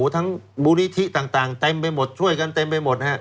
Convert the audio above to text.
ทั้งบุริษฐิต่างช่วยกันเต็มไปหมด